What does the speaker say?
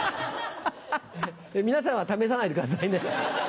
皆さんは試さないでくださいね。